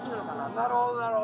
なるほどなるほど。